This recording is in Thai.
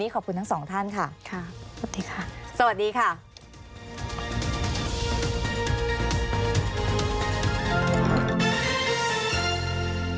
ขอบคุณทั้งสองท่านค่ะสวัสดีค่ะสวัสดีค่ะ